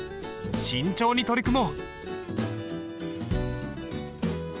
慎重に取り組もう。